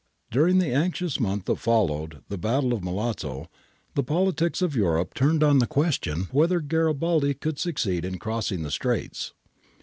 During the anxious month that followed the battle of Milazzo, the politics of Europe turned on the question whether Garibaldi could succeed in crossing the Straits.